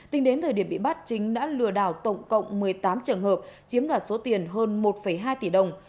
tính đến thời điểm bị bắt chính đã lừa đảo tổng cộng một mươi tám trường hợp chiếm đoạt số tiền hơn một hai tỷ đồng